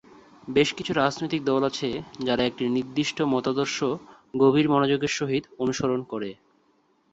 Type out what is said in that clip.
বেশ কিছু রাজনৈতিক দল আছে যারা একটি নির্দিষ্ট মতাদর্শ গভীর মনোযোগের সহিত অনুসরণ করে।